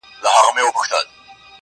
چي پر سر باندي یې واوري اوروي لمن ګلونه!